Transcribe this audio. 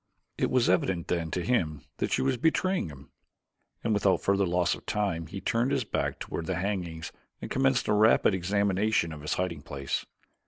It was evident then to him that she was betraying him, and without further loss of time he turned his back toward the hangings and commenced a rapid examination of his hiding place.